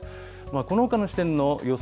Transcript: このほかの地点の予想